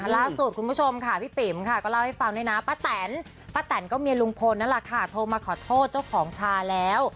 ลุงพลนั่นแหละค่ะโทรมาขอโทษเจ้าของชาแล้ว